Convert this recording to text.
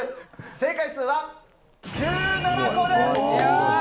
正解数は１７個です！